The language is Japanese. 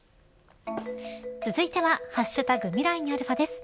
続いては＃未来にαです。